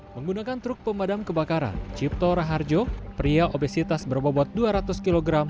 menggunakan truk pemadam kebakaran cipto raharjo pria obesitas berbobot dua ratus kg